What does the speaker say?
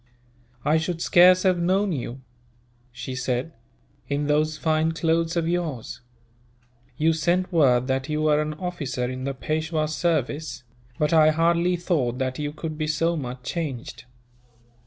"I should scarce have known you," she said, "in those fine clothes of yours. You sent word that you were an officer in the Peishwa's service; but I hardly thought that you could be so much changed.